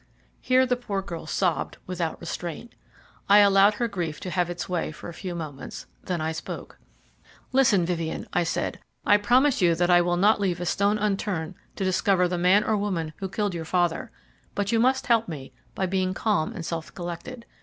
Here the poor girl sobbed without restraint. I allowed her grief to have its way for a few moments, then I spoke. "Listen, Vivien," I said; "I promise you that I will not leave a stone unturned to discover the man or woman who killed your father, but you must help me by being calm and self collected.